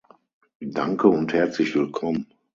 Danke und herzlich willkommen.